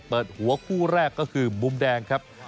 เปิดหัวคู่แรกก็คือมุมแดงครับ